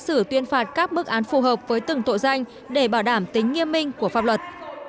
hội đồng xét xử tuyên phạt các bức án phù hợp với từng tội danh để bảo đảm tính nghiêm minh của pháp luật